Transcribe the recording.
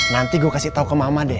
nanti gue kasih tau ke mama deh